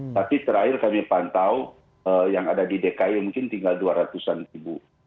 tapi terakhir kami pantau yang ada di dki mungkin tinggal dua ratus an ribu